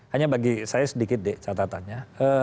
hanya bagi saya sedikit deh catatannya